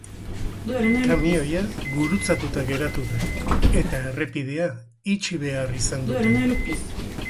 Kamioia gurutzatuta geratu da, eta errepidea itxi behar izan dute.